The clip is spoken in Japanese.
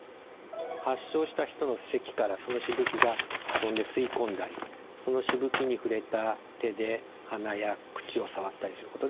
発症した人のせきからそのしぶきが飛んで吸い込んだりそのしぶきに触れた手で鼻や口を触ったりすることで感染します。